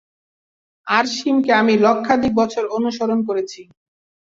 আরিশেমকে আমি লক্ষাধিক বছর অনুসরণ করেছি।